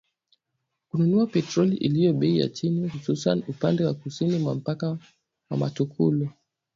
kununua petroli iliyo bei ya chini hususan upande wa kusini mwa mpaka wa Mutukula